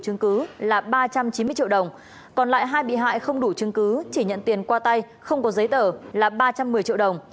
nguyễn đại dương khai nhận tiền qua tay không có giấy tờ là ba trăm một mươi triệu đồng